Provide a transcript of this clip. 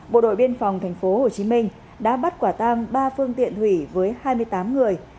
bộ đội biên phòng tp hcm đã bắt quả tang ba phương tiện thủy với hai mươi tám người